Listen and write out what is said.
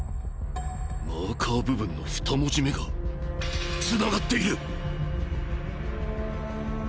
マーカー部分の２文字目がつながっている！